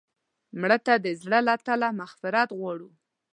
مړه ته د زړه له تله مغفرت غواړو